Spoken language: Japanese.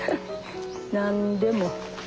何でも。